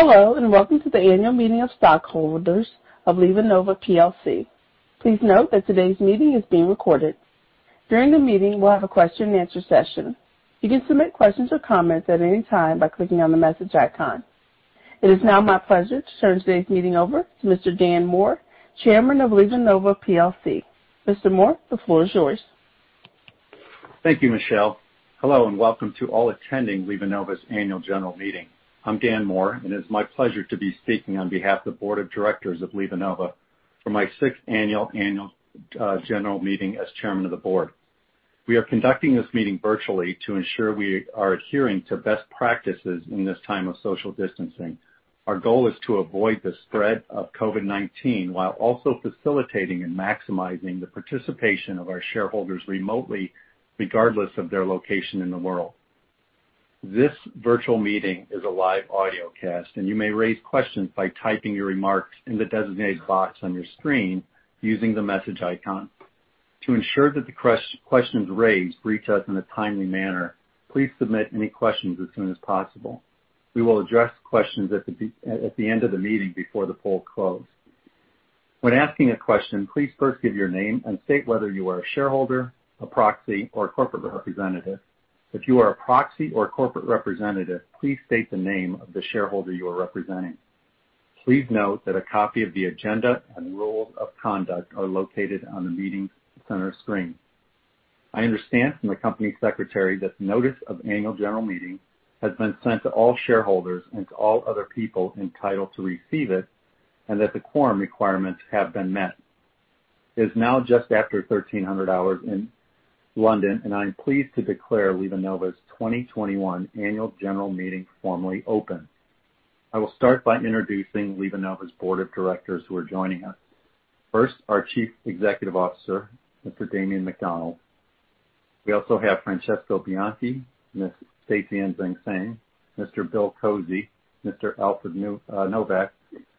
Hello, welcome to the annual meeting of stockholders of LivaNova PLC. Please note that today's meeting is being recorded. During the meeting, we'll have a question and answer session. You can submit questions or comments at any time by clicking on the message icon. It is now my pleasure to turn today's meeting over to Mr. Daniel Moore, Chairman of LivaNova PLC. Mr. Moore, the floor is yours. Thank you, Michelle. Hello, and welcome to all attending LivaNova's Annual General Meeting. I'm Dan Moore, and it's my pleasure to be speaking on behalf of the board of directors of LivaNova for my sixth annual general meeting as Chairman of the Board. We are conducting this meeting virtually to ensure we are adhering to best practices in this time of social distancing. Our goal is to avoid the spread of COVID-19 while also facilitating and maximizing the participation of our shareholders remotely, regardless of their location in the world. This virtual meeting is a live audio cast, and you may raise questions by typing your remarks in the designated box on your screen using the message icon. To ensure that the questions raised reach us in a timely manner, please submit any questions as soon as possible. We will address questions at the end of the meeting before the poll close. When asking a question, please first give your name and state whether you are a shareholder, a proxy, or a corporate representative. If you are a proxy or corporate representative, please state the name of the shareholder you are representing. Please note that a copy of the agenda and rules of conduct are located on the meeting center screen. I understand from the company secretary that notice of annual general meeting has been sent to all shareholders and to all other people entitled to receive it and that the quorum requirements have been met. It is now just after 1:00 P.M. in London, and I'm pleased to declare LivaNova's 2021 annual general meeting formally open. I will start by introducing LivaNova's board of directors who are joining us. First, our Chief Executive Officer, Mr. Damien McDonald. We also have Francesco Bianchi, Ms. Stacy Enxing Seng, Mr. William Kozy, Mr. Alfred Novak,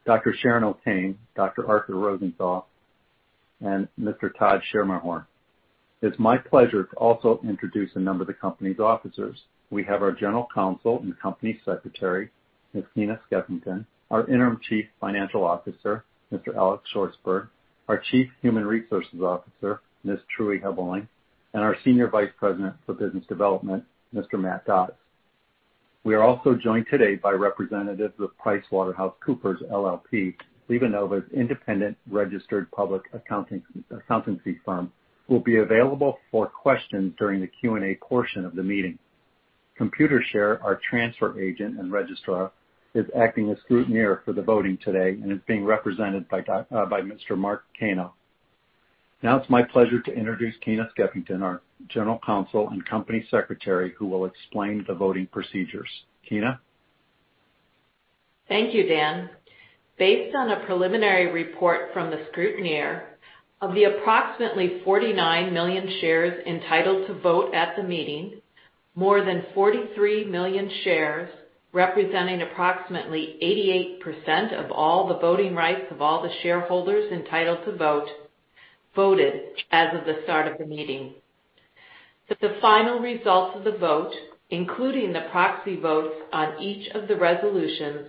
Dr. Sharon O'Kane, Dr. Arthur Rosenthal, and Mr. Todd Schermerhorn. It's my pleasure to also introduce a number of the company's officers. We have our General Counsel and Company Secretary, Ms. Keyna Skeffington, our Interim Chief Financial Officer, Mr. Alex Shvartsburg, our Chief Human Resources Officer, Ms. Trui Hebbelinck, and our Senior Vice President for Business Development, Mr. Matthew Dodds. We are also joined today by representatives of PricewaterhouseCoopers LLP, LivaNova's independent registered public accounting consultancy firm, who will be available for questions during the Q&A portion of the meeting. Computershare, our transfer agent and registrar, is acting as scrutineer for the voting today and is being represented by Mr. Mark Cano. It's my pleasure to introduce Keyna Skeffington, our General Counsel and Company Secretary, who will explain the voting procedures. Keyna. Thank you, Dan. Based on the preliminary report from the scrutineer, of the approximately 49 million shares entitled to vote at the meeting, more than 43 million shares, representing approximately 88% of all the voting rights of all the shareholders entitled to vote, voted as of the start of the meeting. The final results of the vote, including the proxy votes on each of the resolutions,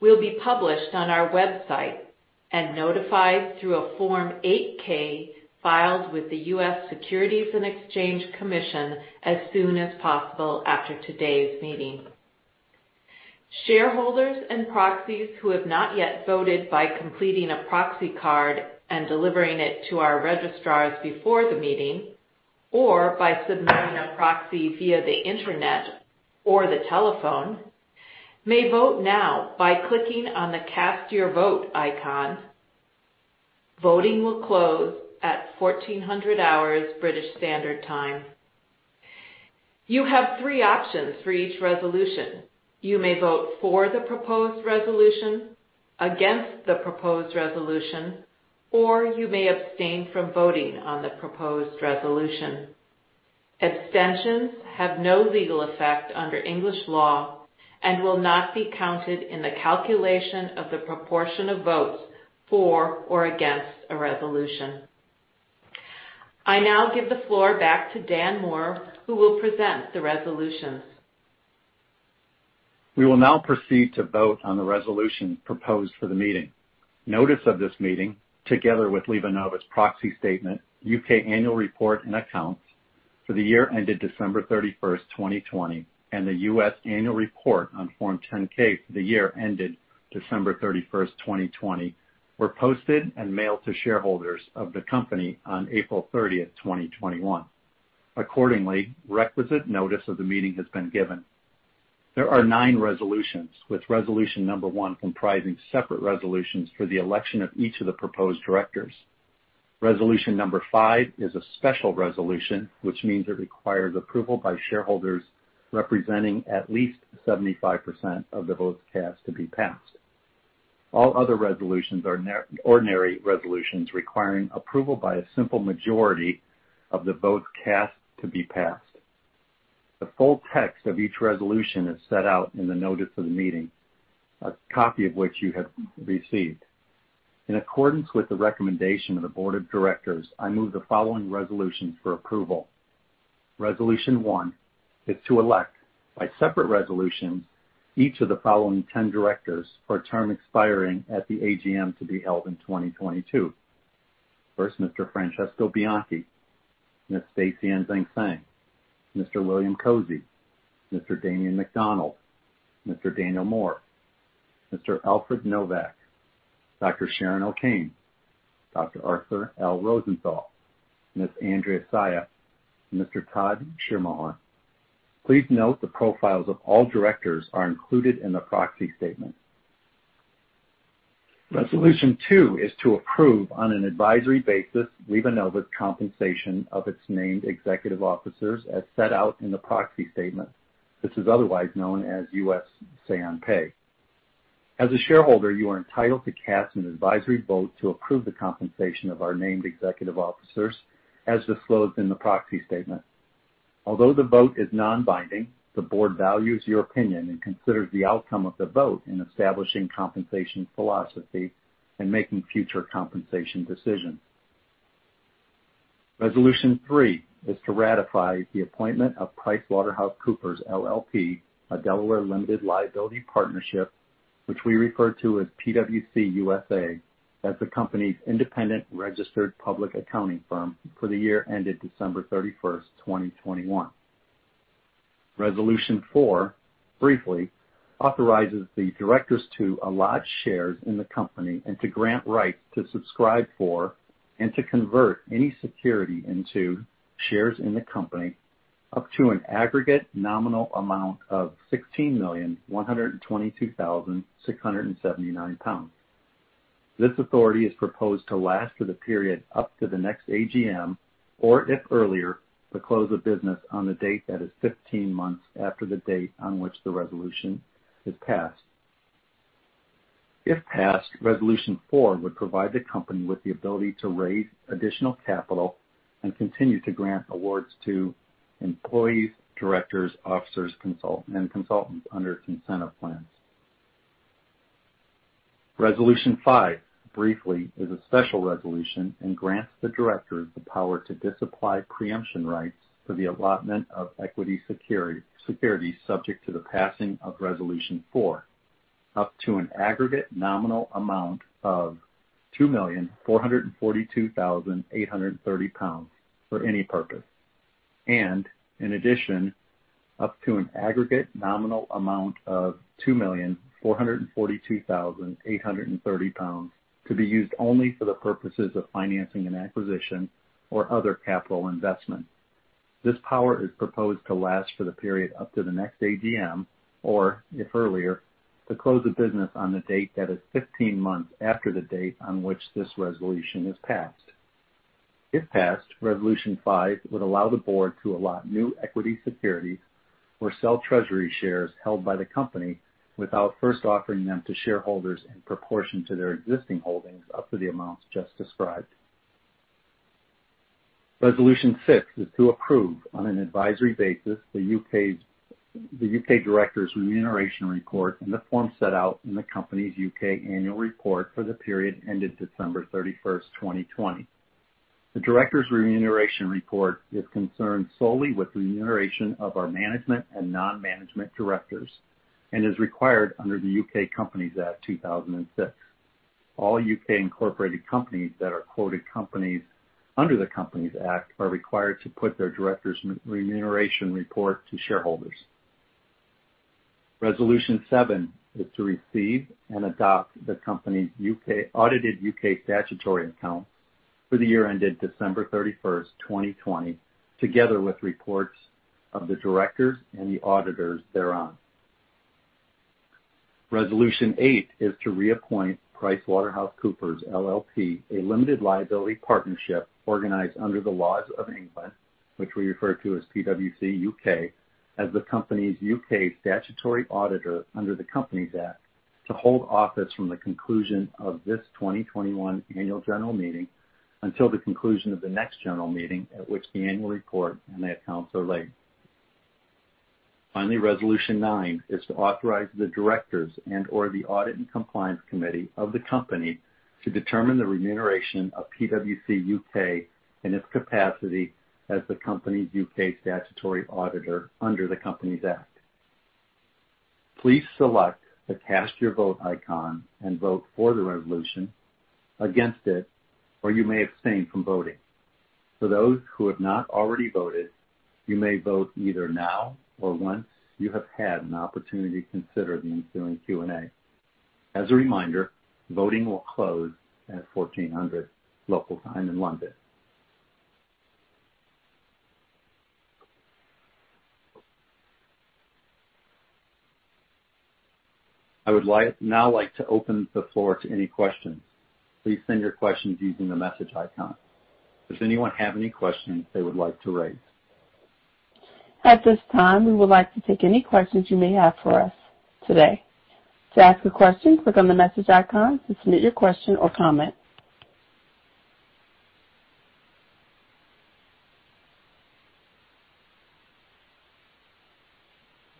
will be published on our website and notified through a Form 8-K filed with the U.S. Securities and Exchange Commission as soon as possible after today's meeting. Shareholders and proxies who have not yet voted by completing a proxy card and delivering it to our registrars before the meeting or by submitting a proxy via the Internet or the telephone may vote now by clicking on the Cast Your Vote icon. Voting will close at 2:00 P.M. British Summer Time. You have three options for each resolution. You may vote for the proposed resolution, against the proposed resolution, or you may abstain from voting on the proposed resolution. Abstentions have no legal effect under English law and will not be counted in the calculation of the proportion of votes for or against a resolution. I now give the floor back to Dan Moore, who will present the resolutions. We will now proceed to vote on the resolution proposed for the meeting. Notice of this meeting, together with LivaNova's proxy statement, U.K. annual report and accounts for the year ended December 31st, 2020, and the U.S. annual report on Form 10-K for the year ended December 31st, 2020, were posted and mailed to shareholders of the company on April 30th, 2021. Accordingly, requisite notice of the meeting has been given. There are nine resolutions, with resolution number one comprising separate resolutions for the election of each of the proposed directors. Resolution number five is a special resolution, which means it requires approval by shareholders representing at least 75% of the votes cast to be passed. All other resolutions are ordinary resolutions requiring approval by a simple majority of the votes cast to be passed. The full text of each resolution is set out in the notice of the meeting, a copy of which you have received. In accordance with the recommendation of the board of directors, I move the following resolution for approval. Resolution 1 is to elect by separate resolutions, each of the following 10 directors for a term expiring at the AGM to be held in 2022. First, Mr. Francesco Bianchi, Ms. Stacy Enxing Seng, Mr. William Kozy, Mr. Damien McDonald, Mr. Daniel Moore, Mr. Alfred J. Novak, Dr. Sharon O'Kane, Dr. Arthur L. Rosenthal, Ms. Andrea Saia, and Mr. Todd Schermerhorn. Please note the profiles of all directors are included in the proxy statement. Resolution 2 is to approve on an advisory basis LivaNova's compensation of its named executive officers as set out in the proxy statement. This is otherwise known as U.S. say on pay. As a shareholder, you are entitled to cast an advisory vote to approve the compensation of our named executive officers as disclosed in the proxy statement. Although the vote is non-binding, the board values your opinion and considers the outcome of the vote in establishing compensation philosophy and making future compensation decisions. Resolution 3 is to ratify the appointment of PricewaterhouseCoopers LLP, a Delaware limited liability partnership, which we refer to as PwC US, as the company's independent registered public accounting firm for the year ended December 31st, 2021. Resolution 4 briefly authorizes the directors to allot shares in the company and to grant rights to subscribe for and to convert any security into shares in the company up to an aggregate nominal amount of 16,122,679 pounds. This authority is proposed to last for the period up to the next AGM or if earlier, the close of business on the date that is 15 months after the date on which the resolution is passed. If passed, Resolution 4 would provide the company with the ability to raise additional capital and continue to grant awards to employees, directors, officers, and consultants under its incentive plans. Resolution 5 briefly is a special resolution and grants the directors the power to disapply preemption rights for the allotment of equity securities subject to the passing of Resolution 4 up to an aggregate nominal amount of 2,442,830 pounds for any purpose. In addition, up to an aggregate nominal amount of 2,442,830 pounds to be used only for the purposes of financing an acquisition or other capital investment. This power is proposed to last for the period up to the next AGM or if earlier, the close of business on the date that is 15 months after the date on which this resolution is passed. If passed, Resolution 5 would allow the board to allot new equity securities or sell treasury shares held by the company without first offering them to shareholders in proportion to their existing holdings up to the amounts just described. Resolution 6 is to approve on an advisory basis the U.K. Directors' Remuneration Report in the form set out in the company's U.K. Annual Report for the period ended December 31st, 2020. The Directors' Remuneration Report is concerned solely with remuneration of our management and non-management directors and is required under the U.K. Companies Act 2006. All U.K.-incorporated companies that are quoted companies under the Companies Act are required to put their U.K. Directors' Remuneration Report to shareholders. Resolution 7 is to receive and adopt the company's audited U.K. statutory accounts for the year ended December 31st, 2020, together with reports of the directors and the auditors thereon. Resolution 8 is to reappoint PricewaterhouseCoopers LLP, a limited liability partnership organized under the laws of England, which we refer to as PwC UK, as the company's U.K. statutory auditor under the Companies Act, to hold office from the conclusion of this 2021 annual general meeting until the conclusion of the next general meeting at which the annual report and accounts are laid. Finally, Resolution 9 is to authorize the directors and/or the audit and compliance committee of the company to determine the remuneration of PwC UK in its capacity as the company's U.K. statutory auditor under the Companies Act. Please select the Cast Your Vote icon and vote for the resolution, against it, or you may abstain from voting. For those who have not already voted, you may vote either now or once you have had an opportunity to consider the ensuing Q&A. As a reminder, voting will close at 2:00 P.M. local time in London. I would now like to open the floor to any questions. Please send your questions using the Message icon. Does anyone have any questions they would like to raise? At this time, we would like to take any questions you may have for us today. To ask a question, click on the Message icon to submit your question or comment.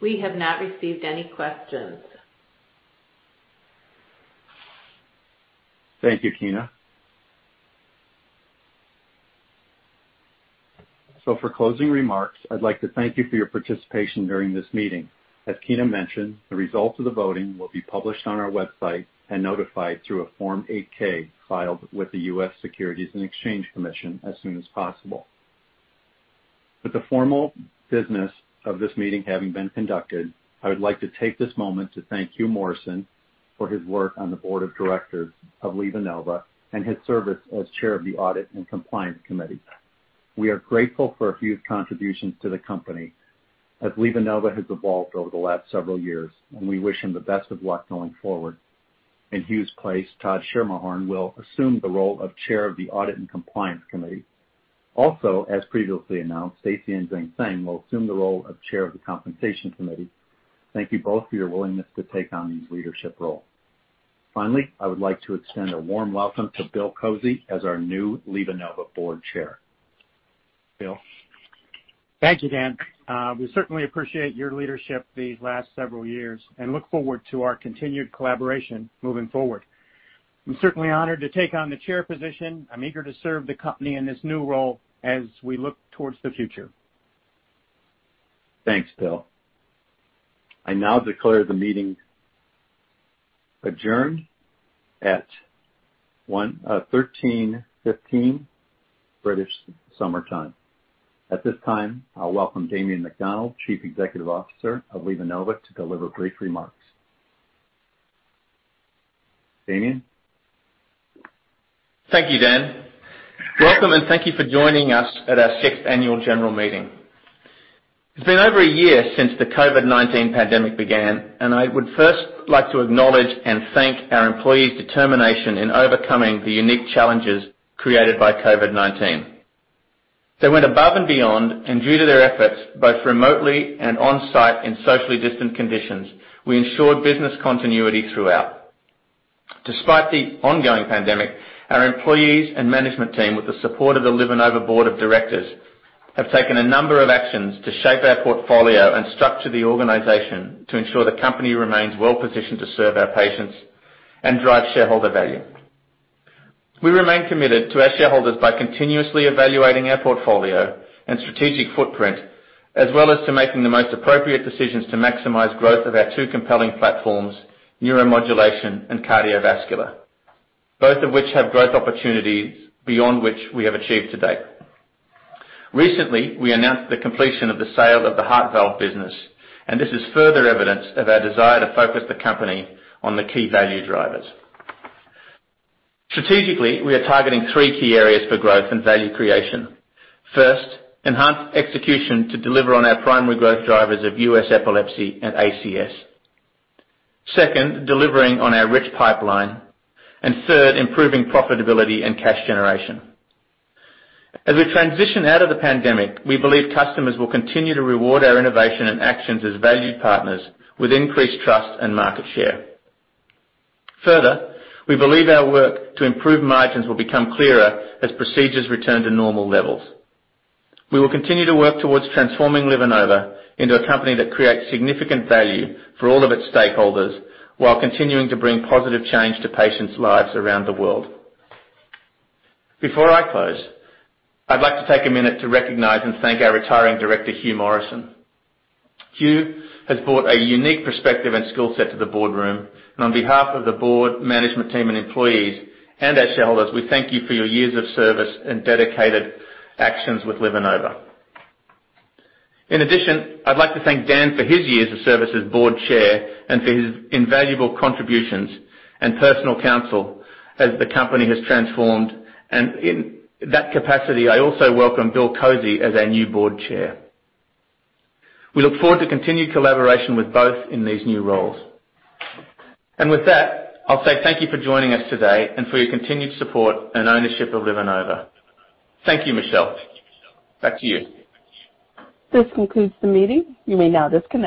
We have not received any questions. Thank you, Keyna. For closing remarks, I'd like to thank you for your participation during this meeting. As Keyna mentioned, the result of the voting will be published on our website and notified through a Form 8-K filed with the U.S. Securities and Exchange Commission as soon as possible. With the formal business of this meeting having been conducted, I would like to take this moment to thank Hugh Morrison for his work on the board of directors of LivaNova and his service as Chair of the Audit and Compliance Committee. We are grateful for a Hugh's contributions to the company as LivaNova has evolved over the last several years, and we wish him the best of luck going forward. In Hugh's place, Todd Schermerhorn will assume the role of Chair of the Audit and Compliance Committee. As previously announced, Stacy Enxing Seng will assume the role of Chair of the Compensation Committee. Thank you both for your willingness to take on these leadership roles. I would like to extend a warm welcome to William Kozy as our new LivaNova Board Chair. William? Thank you, Dan. We certainly appreciate your leadership these last several years and look forward to our continued collaboration moving forward. I'm certainly honored to take on the chair position. I'm eager to serve the company in this new role as we look towards the future. Thanks, Bill. I now declare the meeting adjourned at 1:15 P.M. British Summer Time. At this time, I'll welcome Damien McDonald, Chief Executive Officer of LivaNova, to deliver brief remarks. Damien? Thank you, Daniel Moore. Welcome and thank you for joining us at our sixth annual general meeting. It's been over a year since the COVID-19 pandemic began, and I would first like to acknowledge and thank our employees' determination in overcoming the unique challenges created by COVID-19. They went above and beyond, and due to their efforts, both remotely and on-site in socially distant conditions, we ensured business continuity throughout. Despite the ongoing pandemic, our employees and management team, with the support of the LivaNova Board of Directors, have taken a number of actions to shape our portfolio and structure the organization to ensure the company remains well-positioned to serve our patients and drive shareholder value. We remain committed to our shareholders by continuously evaluating our portfolio and strategic footprint, as well as to making the most appropriate decisions to maximize growth of our two compelling platforms, neuromodulation and cardiovascular, both of which have growth opportunities beyond which we have achieved to date. Recently, we announced the completion of the sale of the Heart Valve business. This is further evidence of our desire to focus the company on the key value drivers. Strategically, we are targeting three key areas for growth and value creation. First, enhanced execution to deliver on our primary growth drivers of U.S. epilepsy and ACS. Second, delivering on our rich pipeline. Third, improving profitability and cash generation. As we transition out of the pandemic, we believe customers will continue to reward our innovation and actions as valued partners with increased trust and market share. Further, we believe our work to improve margins will become clearer as procedures return to normal levels. We will continue to work towards transforming LivaNova into a company that creates significant value for all of its stakeholders while continuing to bring positive change to patients' lives around the world. Before I close, I'd like to take a minute to recognize and thank our retiring director, Hugh Morrison. Hugh has brought a unique perspective and skill set to the boardroom, and on behalf of the board, management team, and employees, and our shareholders, we thank you for your years of service and dedicated actions with LivaNova. In addition, I'd like to thank Dan for his years of service as Board Chair and for his invaluable contributions and personal counsel as the company has transformed. In that capacity, I also welcome William Kozy as our new Board Chair. We look forward to continued collaboration with both in these new roles. With that, I'll say thank you for joining us today and for your continued support and ownership of LivaNova. Thank you, Michelle. Back to you. This concludes the meeting. You may now disconnect.